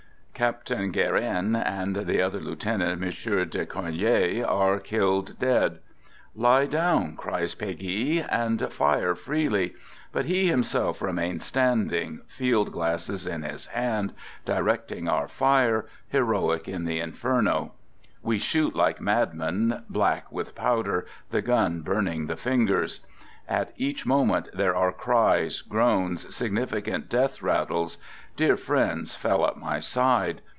Captain Guerin and the other lieutenant, M. de Cornilliere, are killed dead. " Lie down !" cries Peguy, " and fire freely! " but he himself remains standing, field glasses in his hand, directing our fire, heroic in the inferno. We shoot like madmen, black with powder, the gun burning the fingers. At each moment there are cries, groans, significant death rattles; dear friends fell at my side.